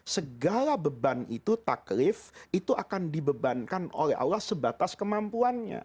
segala beban itu taklif itu akan dibebankan oleh allah sebatas kemampuannya